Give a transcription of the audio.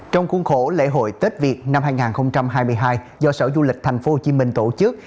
trong khuôn khổ lễ hội tết việt năm hai nghìn hai mươi hai do sở du lịch tp hcm tổ chức